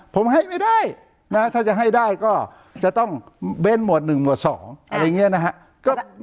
ผมให้ไม่ได้ถ้าจะให้ได้ก็จะต้องเบทหมวด๑หมวด๒อะไรนี้นะ